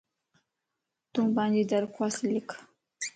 تون پانجي درخواست لک